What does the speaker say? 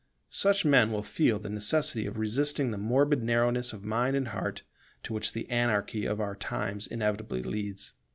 Such men will feel the necessity of resisting the morbid narrowness of mind and heart to which the anarchy of our times inevitably leads.